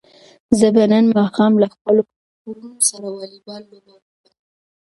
زه به نن ماښام له خپلو وروڼو سره واليبال لوبه وکړم.